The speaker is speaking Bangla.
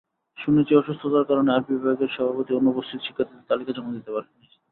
শুনেছি অসুস্থতার কারণে আরবি বিভাগের সভাপতি অনুপস্থিত শিক্ষার্থীদের তালিকা জমা দিতে পারেননি।